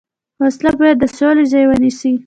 وسله باید د سولې ځای ونیسي